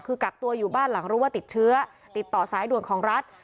คือกักตัวอยู่บ้านหลังรู้ว่าติดเชื้อติดต่อสายด่วนของรัฐ